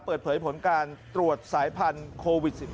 เปิดเผยผลการตรวจสายพันธุ์โควิด๑๙